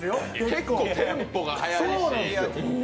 結構、テンポが速いし。